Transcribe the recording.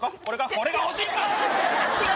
これが欲しいんかい！